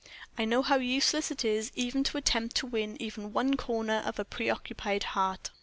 I know how useless it is even to attempt to win even one corner of a preoccupied heart."